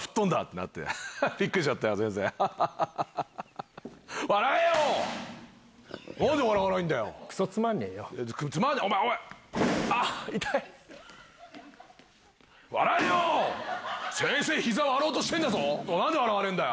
何で笑わねえんだよ